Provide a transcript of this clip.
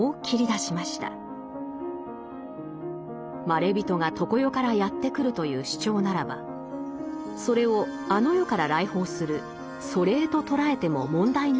まれびとが常世からやって来るという主張ならばそれをあの世から来訪する祖霊と捉えても問題ないのではないか。